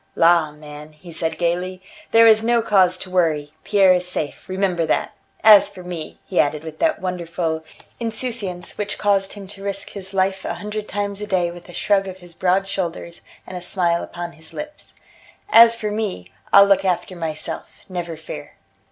"La, man," he said gaily, "there was no cause to worry. Pierre is safe, remember that! As for me," he added with that wonderful insouciance which caused him to risk his life a hundred times a day with a shrug of his broad shoulders and a smile upon his lips; "as for me, I'll look after myself, never fear."